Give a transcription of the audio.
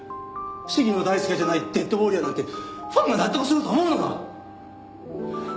鴫野大輔じゃない『デッドウォーリア』なんてファンが納得すると思うのか？